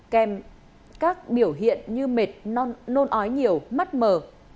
kèm các biểu hiện như mệt non nôn ói nhiều mắt mờ